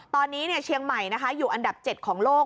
ตอนนี้เชียงใหม่อยู่อันดับ๗ของโลก